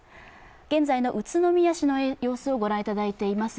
現在の宇都宮市の様子をご覧いただいています。